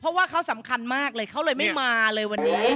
เพราะว่าเขาสำคัญมากเลยเขาเลยไม่มาเลยวันนี้